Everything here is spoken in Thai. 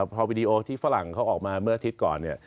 พอวิดีโอที่ฝรั่งเขาออกมาเมื่ออาทิตย์ก่อน